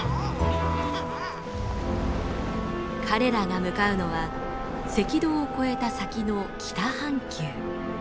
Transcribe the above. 彼らが向かうのは赤道を越えた先の北半球。